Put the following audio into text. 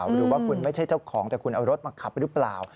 หรือว่าคุณไม่ใช่เจ้าของแต่คุณเอารถมาขับหรือเปล่า